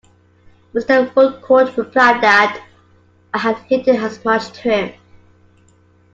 Mr. Woodcourt replied that I had hinted as much to him.